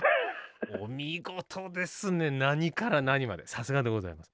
お見事ですね何から何までさすがでございます。